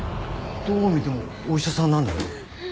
どう見てもお医者さんなんだけど。